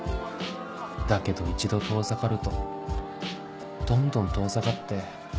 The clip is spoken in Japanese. だけど一度遠ざかるとどんどん遠ざかって